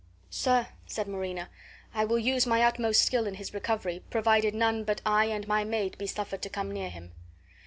"Sir," said Marina, "I will use my utmost skill in his recovery, provided none but I and my maid be suffered to come near him."